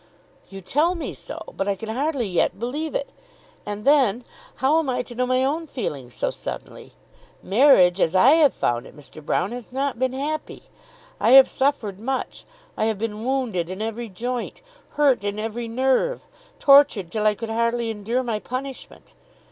"You tell me so; but I can hardly yet believe it. And then how am I to know my own feelings so suddenly? Marriage as I have found it, Mr. Broune, has not been happy. I have suffered much. I have been wounded in every joint, hurt in every nerve, tortured till I could hardly endure my punishment.